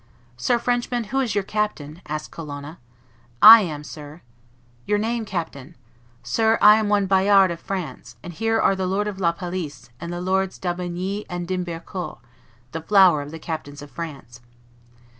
"Sir Frenchman, who is your captain?" asked Colonna. "I am, sir." "Your name, captain?" "Sir, I am one Bayard of France, and here are the Lord of La Palice, and the Lords d'Aubigny and d'Himbercourt, the flower of the captains of France."